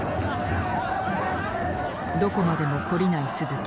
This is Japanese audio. どこまでも懲りない鈴木。